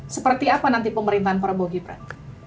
seperti apa nanti pemerintahan prabowo gibran